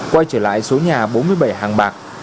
quay trở lại số nhà bốn mươi bảy hàng bạc